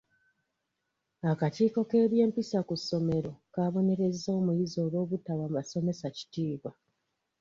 Akakiiko k'ebyempisa ku ssomero kaabonerezza omuyizi olw'obutawa basomesa kitiibwa.